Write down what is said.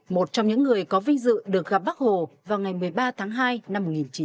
một trong những người có vinh dự được gặp bác hồ vào ngày một mươi ba tháng hai năm một nghìn chín trăm bảy mươi